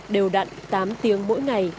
đều đặn tám tiếng mỗi ngày